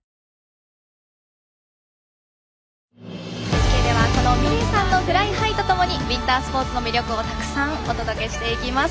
ＮＨＫ では ｍｉｌｅｔ さんの「ＦｌｙＨｉｇｈ」とともにウィンタースポーツの魅力をたくさんお届けしていきます。